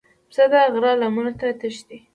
پسه د غره لمنو ته تښتي.